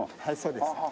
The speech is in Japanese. はいそうです。